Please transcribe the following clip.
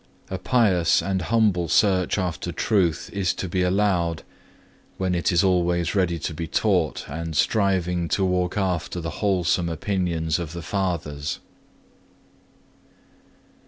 A pious and humble search after truth is to be allowed, when it is always ready to be taught, and striving to walk after the wholesome opinions of the fathers.